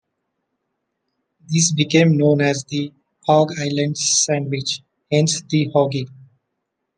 This became known as the "Hog Island" sandwich; hence, the "hoagie".